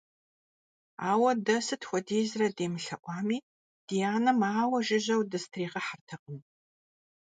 Ауэ дэ сыт хуэдизрэ демылъэӀуами, ди анэм ауэ жыжьэу дызытригъэхьэртэкъым.